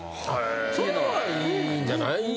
そういうのはいいんじゃない？